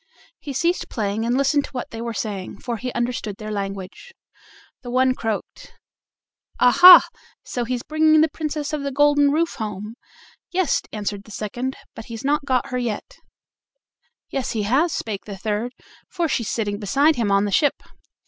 He ceased playing, and listened to what they were saying, for he understood their language. The one croaked: "Ah, ha! so he's bringing the Princess of the Golden Roof home." "Yes," answered the second, "but he's not got her yet." "Yes, he has," spake the third, "for she's sitting beside him on the ship."